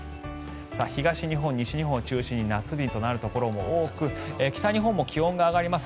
東日本、西日本を中心に夏日となるところも多く北日本も気温が上がります。